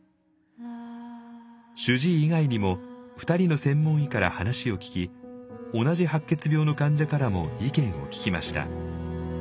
主治医以外にも２人の専門医から話を聞き同じ白血病の患者からも意見を聞きました。